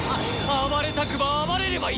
暴れたくば暴れればいい！